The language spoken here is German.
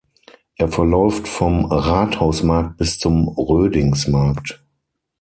Er verläuft vom Rathausmarkt bis zum Rödingsmarkt.